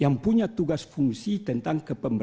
yang punya tugas fungsi tentang kepemimpinan